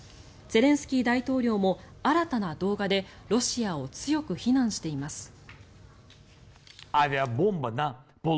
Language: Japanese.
ゼレンスキー大統領も新たな動画でロシアを強く非難しています。